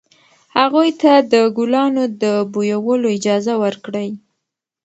هغوی ته د ګلانو د بویولو اجازه ورکړئ.